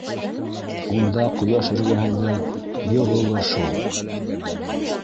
Унда, ҡояш эргәһендә, йылылыр шул.